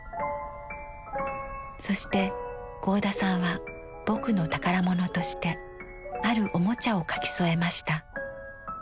そして合田さんは「ぼく」の宝物としてあるおもちゃを描き添えました。